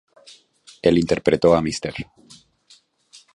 En interpretó a Mr.